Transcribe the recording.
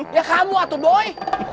ya kamu atuh boy